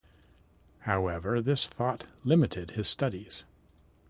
However, this thought limited his studies.